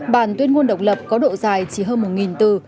bản tuyên ngôn độc lập có độ dài chỉ hơn một từ